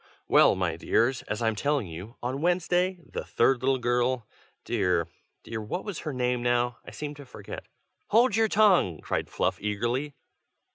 "Well, my dears, as I'm telling you, on Wednesday, the third little girl dear! dear! what was her name now? I seem to forget " "Hold your tongue!" cried Fluff, eagerly.